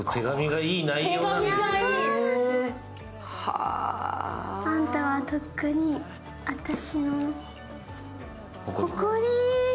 あんたはとっくに、あたしの誇り。